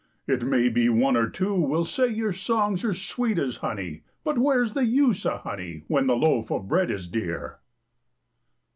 It may be one or two will say your songs are sweet as honey, But where's the use of honey, when the loaf of bread is dear?